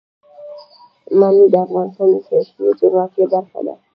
منی د افغانستان د سیاسي جغرافیه برخه ده.